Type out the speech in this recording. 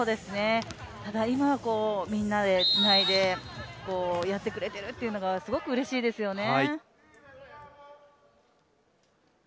ただ、今、みんなでつないでやってくれているというのがすごくうれしいですよね。